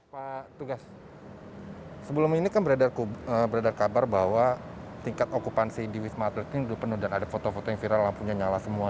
pak tugas sebelum ini kan beredar kabar bahwa tingkat okupansi di wisma atlet ini sudah penuh dan ada foto foto yang viral lampunya nyala semua